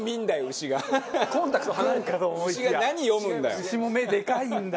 牛も目でかいんだ。